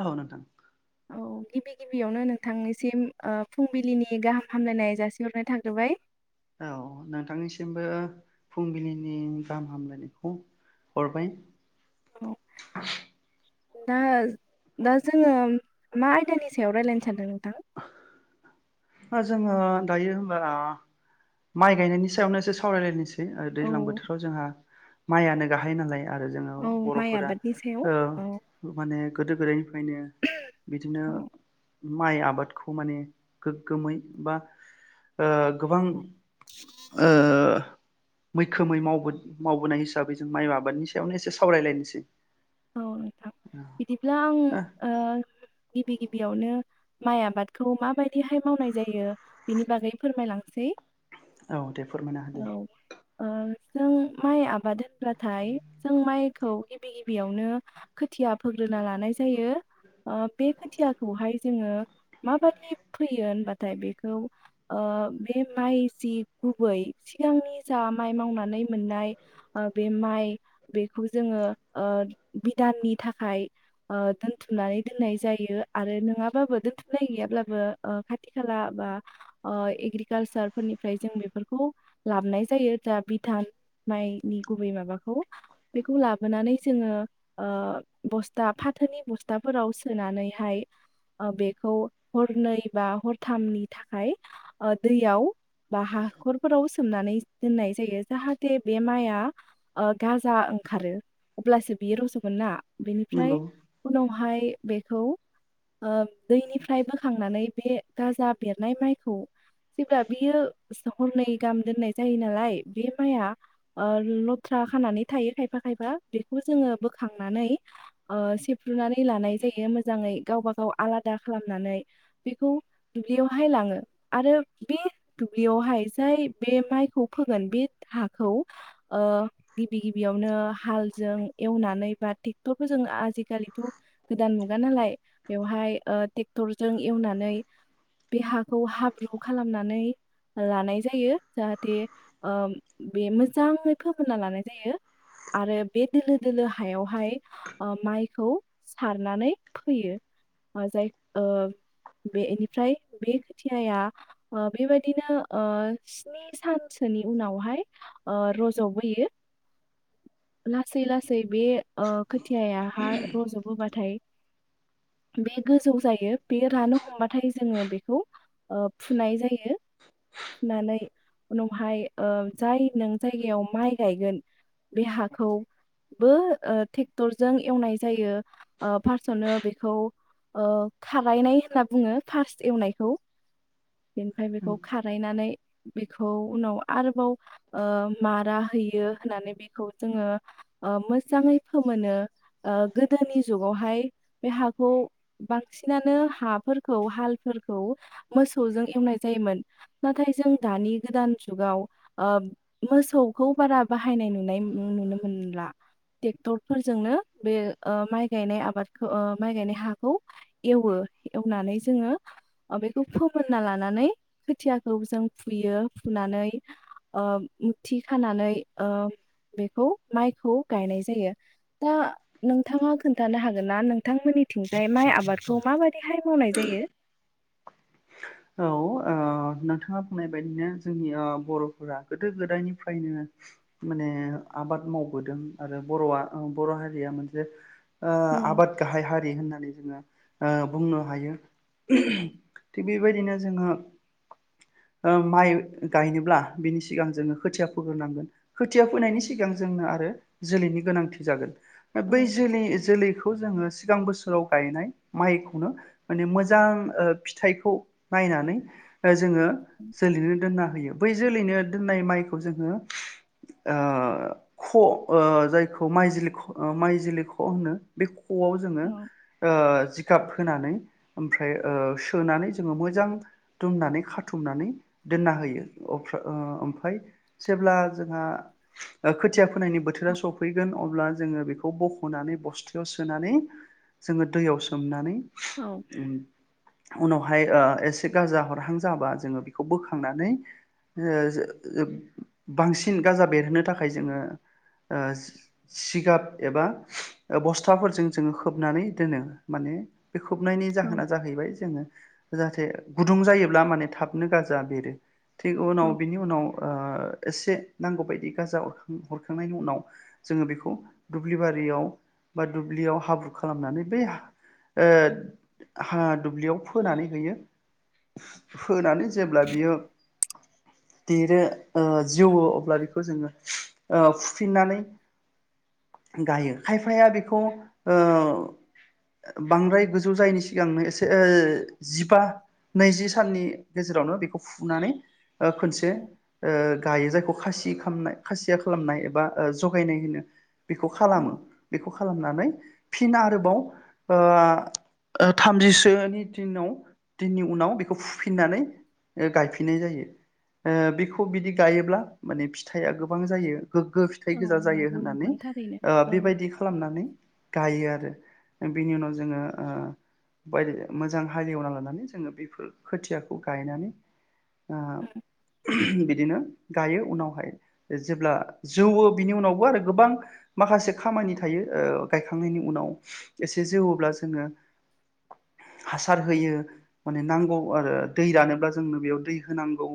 औ नोंथां औ गिबि गिबियावनो नोंथांनिसिम ओ फुंबिलिनि गाहाम हामलायनाय जासिहरनाय थाग्रोबाय। औ नोंथांनिसिमबो फुंबिलिनि गाहाम हामलायनायखौ हरबाय। [inaudible] औ दा दा जोङो मा आयदानि सायाव रायज्लायनो सानदों? [unintelligible] जोङो दायो होनबा माइ गायनायनि सायावनो एसे सावरायलायनोसै। औ दैज्लां बोथोराव जोंहा माइआनो गाहाय नालाय। आरो जोङो औ माइ बर'फोरा आबादनि सायाव ओ औ माने गोदो गोदायनि बेखायनो बिदिनो औ माइ आबाद खौ माने गोग्गोमै बा ओ गोबां ओ मैखोमै मावबोनाय हिसाबै जों माइ आबादनि सायावनो एसे सावरायलायनोसै। औ नोंथां बिदिब्ला आं ओ गिबि गिबियावनो माइ आबादखौ माबायदिहाय मावनाय जायो बिनि बागै फोरमायलांसै। औ दे फोरमायना होदो। औ ओ जों माइ आबाद होनब्लाथाय जों माइखौ गिबि गिबि बेयावनो खोथिया फोग्रोना लानाय जायो बे खोथियाखौहाय जोङो माबादि फैयो होनबाथाय बेखौ बे माइ जि गुबै सिगांनि जा माइ मावनानै मोननाय बे माइ बेखौ जोङो ओ बिधाननि थाखाय दोनथुमनानै दोननाय जायो। आरो नङाबाबो दोनथुमनाय गैयाब्लाबो खाथि खाला बा एग्रिकालसार फोरनिफ्राय जों बेफोरखौ लाबोनाय जायो दा बिधान माइनि गुबै माबाखौ बेखौ लाबोनानै जोङो ओ बस्था फाथोनि बस्थाफोराव सोनानैहाय ओ बेखौ हरनै बा हरथामनि थाखाय दैयाव बा हाखरफोराव सोमनानै दोननाय जायो जाहाथे बे माइआ ओ गाजा ओंखारो। अब्लासो बियो रज'गोन ना। बेनिफ्राय नंगौ उनावहाय बेखौ ओ दैनिफ्राय बोखांनानै बे गाजा बेरनाय माइखौ जेब्ला बियो हरनै गाहाम दोननाय जायो नालाय बे माइआ ओ लथ्रा खानानै थायो खायफा खायफा। बेखौ जोङो बोखांनानै ओ सेफ्रुनानै लानाय जायो मोजाङै गावबा गाव आलादा खालामनानै बेखौ दुब्लियावहाय लाङो आरो बे दुब्लियावहाय जाय बे माइखौ फोगोन बे हाखौ ओ गिबि गिबियावनो हाल जों एवनानै बा ट्रेक्टरफोरजों आजिखालिथ' गोदान मुगा नालाय बेवहाय ट्रेक्टरजों एवनानै बे हाखौ हाब्रु खालामनानै लानाय जायो जाहाथे बे मोजाङै फोमोनना लानाय जायो आरो बे दोलो दोलो हायावहाय माइखौ सारनानै फोयो जाय बेनिफ्राय बे खोथियाया बेबायाददिनो स्नि सानसोनि उनावहाय रज'बोयो लासै लासै बे। खोथियाहा रजोबोबाथाय बे गोजौ जायो बे रानो हमबाथाय जोङो बेखौ फुनाय जायो फुनानै उनावहाय जाय नों जायगायाव माइ गायगोन बे हाखौबो ट्रेक्टरजों एवनाय जायो फार्स्टआवनो बेखौ खारायनाय होनना बुङो फार्स्ट एवनायखौ बेनिफ्राय बेखौ खारायनानै। बेखौ उनाव आरोबाव मारा होयो होननानै बि खौ जोङो मोजाङै फोमोनो ओ गोदोनि जुगावहाय बे हाखौ बांसिनानो हाफोरखौ हालफोरखौ मोसौजों एवनाय जायोमोन नाथाय जों दानि गोदान जुगाव ओ मोसौखौ बारा बाहायनाय नुनाय। नुनो मोनला ट्रेक्टरफोरजोंनो बे माइ ओ गायनाय आबादखौ ओ माइ गायनाय हाखौ एवो एवनानै जोङो बेखौ फोमोनना लानानै खोथियाखौ जों फुयो फुनानै मुथि खानानै ओ बेखौ माइखौ गायनाय जायो दा नोंथाङा खोन्थानो हागोन ना नोंथांमोननिथिंजाय माइ आबादखौ माबाददिहाय मावनाय जायो औ ओ नोंथाङा बुंनाय बायदिनो जोंनि बर'फोरा गोदो गोदायनिफ्रायनो माने आबाद मावबोदों आरो बर'आ बर' हारिया मोनसे ओ औ आबाद गाहाय हारि होननानै ओ बुंनो हायो बेबायदिनो जोङो ओ माइ गायनोब्ला बिनि सिगां जोङो खोथिया फोग्रोनांगोन खोथिया औ फैनायनि सिगां जोंनो आरो जोलैनि गोनांथि जागोन। बै औ जोलै जोलै बेखौ जोंङो सिगां बोसोराव गायनाय माइखौनो माने मोजां ओ फिथाइखौ नायनानै ओ जोङो जोलैनो दोना होयो बै जोलैनो दोननाय माइखौ जोङो ओ ख जायखौ म माइजिलि ख होनो बे खआव जोङो औ ओ जिगाब। होनानै ओमफ्राय ओ सोनानै। जोङो मोजां दुमनानै खाथुमनानै दोनना होयो ओम ओ ओमफ्राय जेब्ला जोंहा खोथिया फोनायनि बोथोरा सफैगोन अब्ला जोङो बेखौ बखनानै बस्थायाव सोनानै जोङो दैयाव सोमनानै औ [unintelligible] उन बहाय ओ एसे गाजा हरहां जाबा जोङो बेखौ बोखांनानै ओ बांसिन गाजा बेरहोनो थाखाय जोङो ओ सिगाब एबा बस्थाफोरजों जोङो खोबनानै दोनो माने। बे खोबनायनि जाहोना जाहैबाय जोङो। जाहाथे गुदुं जायोब्ला माने थाबनो गाजा बेरो थिग उनाव औ बिनि उनाव ओ एसे नांगौबायदि गाजा हरखांनायनि उनाव जोङो बेखौ दुब्लि बारियाव बा दुब्लियाव हाब्रु खालामनानै बै ओ हा दुब्लियाव फोनानै होयो होनानै जेब्ला बियो देरो ओ जोवो अब्ला बेखौ जोङो ओ फुफिननानै गायो खायफाया बेखौ ओ बांद्राय गोजौ जायैनि। सिगांनो एसे ओ। बा नैजि साननि गेजेरावनो बेखौ फुनानै ओ खनसे ओ गायो जायखौ खासि खामनाय खासिया खालामनाय एबा जगायनाय होनो। बेखौ औ खालामो बेखौ खालामनानै फिन आरोबाव ओ ओ थामजिसोनि दिनाव दिननि उनाव बेखौ फुफिननानै ओ गायफिननाय जायो ओ बेखौ बिदि गायोब्ला माने फिथाइया गोबां जायो। गोग्गो फिथाइ औ गोजा जायो नंगौ होननानै नोंथां थारैनो ओ औ बेबायदि खालामनानै गायो आरो। बिनि उनाव जोङो ओ बायदि मोजां हालेवना लानानै जोङो बेफोर खोथियाखौ गायनानै ओ [unintelligible] बिदिनो गायो उनावहाय जेब्ला जौवो बिनि उनावबो आरो गोबां माखासे खामानि थायो ओ गायखांनायनि उनाव एसे जौवब्ला जोङो हासार होयो माने नांगौ आरो दै रानोब्ला जोंनो बेयाव दै होनांगौ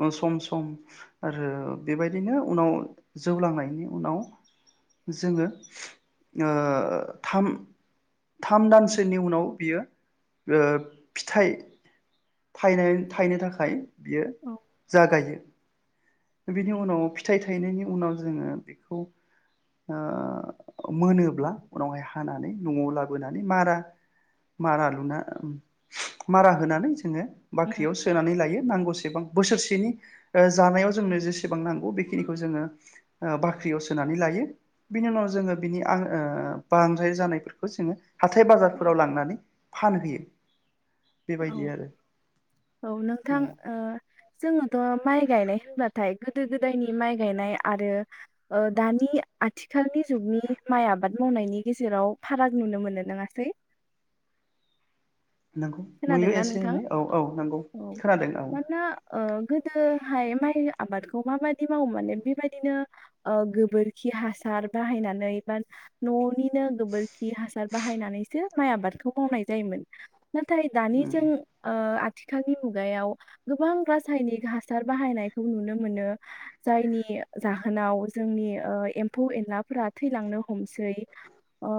ओ सम सम आरो बेबायदिनो उनाव जौ लांनायनि उनाव जोङो ओ थाम थाम दानसोनि उनाव बियो ओ फिथाइ थायनाय थायनो थाखाय बियो औ जागायो। बिनि उनाव फिथाइ थायनायनि उनाव जोङो बेखौ ओ मोनोब्ला उनावहाय हानानै नआव लाबोनानै मारा मारा लुना [unintelligible] मारा होनानै जोङो उम बाख्रियाव सोनानै लायो नांगौसेबां बोसोरसेनि ओ जानायाव जोंनो जेसेबां नांगौ बेखिनिखौ जोङो ओ बाख्रियाव सोनानै लायो बिनि उनाव जोङो बिनि आ ओ बांद्राय जानायफोरखौ जोङो हाथाय बाजार फोराव लांनानै फानहैयो। औ बेबायदि आरो औ नोंथां ओ जोङोथ' माइ गायनाय होनबाथाय गोदो गोदायनि माइ गायनाय आरो ओ दानि आथिखालनि जुगनि माइ आबाद मावनायनि गेजेराव फाराग नुनो मोननो नङासै? नंगौ नुयो खोनादोंना एसे नोंथां? एनै औ औ नंगौ औ खोनादों औ। मानोना ओ गोदो हाय माइ आबादखौ माबादि मावोमोन बेबायदिनो ओ गोबोरखि हासार बाहायनानै बा न'निनो गोबोरखि हासार बाहायनानैसो माइ आबादखौ मावनाय जायोमोन। जायोमोन। नाथाय दानिजों ओ आथिखालनि मुगायाव गोबां रासायनिक हासार बाहायनायखौ नुनो मोनो जायनि जाहोनाव जोंनि ओ एम्फौ एनलाफोरा थैलांनो हमसै ओ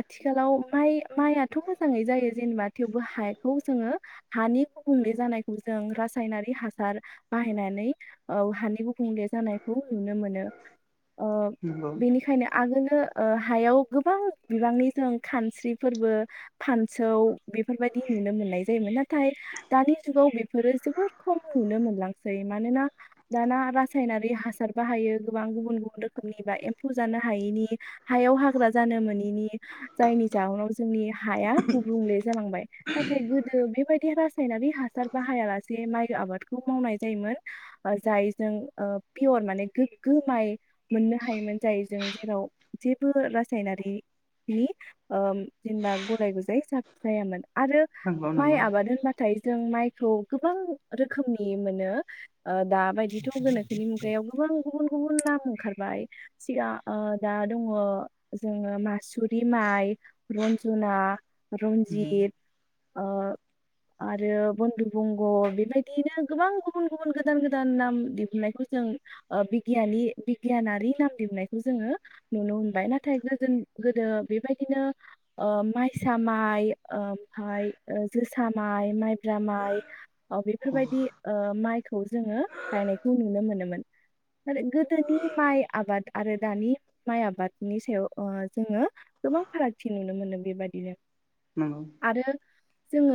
आथिखालाव माइ माइआथ' मोजाङै जायो जेनेबा थेवबो हाखौ जोङो हानि गुबुंले जानायखौ जों रासायनारि हासार बाहायनानै ओ हानि गु गुबुंले जानायखौ नुनो मोनो ओ नंगौ बेनिखायनो आगोल हो ओ हायाव गोबां बिबांनि जों खानस्रि फोरबो फान सौ बेफोर बायदि नुनो मोननाय जायोमोन नाथाय दानि जुगाव बेफोरो जोबोर खम नुनो मोनलांसै मानोना दाना रासायनारि हासार बाहायो गोबां गुबुन गुबुन रोखोमनि बा एम्फौ जानो हायैनि हायाव हाग्रा जानो मोनैनि जायनि जाहोनाव जोंनि हा गुबुंले जालांबाय नाथाय गोदो बेबायदि रास रासायनारि हासार बाहायालासे माइ आबादखौ मावनाय जायोमोन जायजों ओ पियर माने गोग्गो माइ मोननो हायोमोन जायजों जेराव जेबो रासायनारि नि ओ जेनेबा गुलाय गुजाय साब जायामोन। आरो नंगौ माइ नंगौ आबाद होनबाथाय जों माइ थ' गोबां रोखोमनि मोनो ओ दाबायदिथ' गोनोखोनि मुगायाव गोबां गुबुन गुबुन नाम ओंखारबाय सिगां ओ दा दङ जोङो मासुरि माइ रन्जना रन्जित ओ आरो बन्धु बंग' बेबायदिनो गोबां गुबुन गुबुन गोदान गोदान नाम दिहुननायखौ जों ओ बिगियनि बिगियानारि नाम दिहुननायखौ जोङो नुनो मोनबाय नाथाय गोजोन गोदो बेबायदिनो ओ माइ जोसा माइ ओमफ्राय जोसा माइ, माइब्रा माइ ओव बेफोरबायदि ओ माइ खौ जोङो गायनायखौ नुनो मोनोमोन नाथाय गोदोनि माइ आबाद आरो दानि माइ आबादनि सायाव ओ जोङो गोबां फारागथि नुनो मोनो बेबादिनो नंगौ आरो जोङो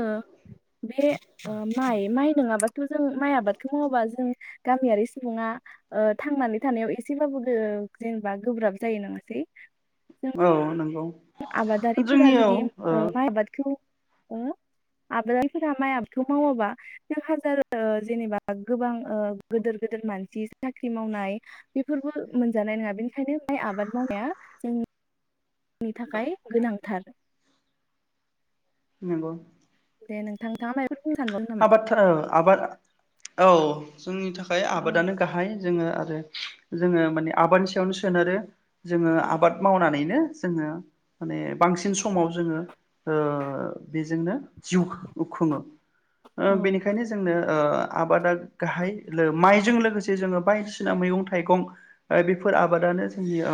बे ओ माइ माइ नङाबाथ' जों माइ आबादखौ मावाबा जों गामियारि सुबुङा ओ थांनानै थानायाव एसेबाबो जेनेबा गोब्राब जायो नङासै? औ नोंगौ आबादारि फोरा जुदि ओ माइ आबादखौ खौ ओ आबादारिफोरा माइ आबादखौ मावाबा जों हाजार ओ जेनेबा गोबां ओ गोदोर गोदोर मानसि साख्रि मावनाय बेफोरबो मोनजानाय नङा बेनिखायनो माइ आबाद मावनाया जोंनि नि थाखाय गोनांथार नोंगौ दे नोंथां [unintelligible] नामा? आबादथारो आबादा औ जोंनि थाखाय औ आबादानो गाहाय जोङो आरो जोङो माने आबादनि सायावनो सोनारो जोङो आबाद मावनानैनो जोङो माने बांसिन समाव जोङो ओ बेजोंनो जिउ खुङो ओ बेनिखायनो जोंनो ओ आबादा गाहाय लो माइजों लोगोसे जोङो बायदिसिना मैगं थाइगं बेफोर आबादानो जोंनि ओ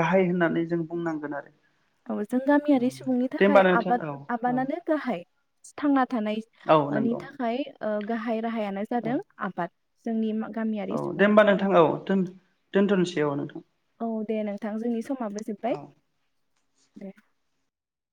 गाहाय होननानै जों बुंनांगोन आरो औ जों गामियारि सुबुंनि औ दे थाखाय होमबा नोंथां आबाद औ औ आबादानो गाहाय थांना औ थांनायनि नंगौ थाखाय ओ गाहाय राहायानो औ जादों आबाद जोंनि मा औ दे होमबा नोंथां औ दोन दोनथ'नोसै औ नोंथां औ दे नोंथां जोंनि समाबो जोबबाय औ दे